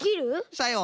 さよう。